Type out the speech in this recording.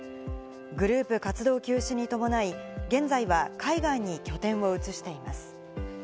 グループ活動休止に伴い、現在は海外に拠点を移しています。